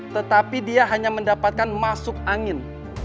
tetapi dia hanya mendapatkan masuk angin